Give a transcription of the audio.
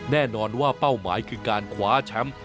แน่นอนว่าเป้าหมายคือการคว้าแชมป์